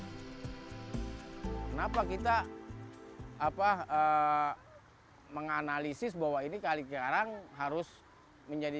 kenapa kita apa menganalisis bahwa ini kali cikarang harus menjadi